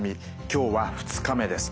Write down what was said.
今日は２日目です。